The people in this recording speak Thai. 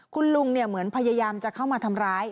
คุณลุงเหมือนพยายามจะเข้ามาทำร้าย